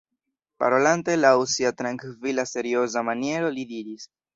Parolante laŭ sia trankvila, serioza maniero, li diris: